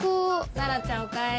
紗良ちゃんおかえり。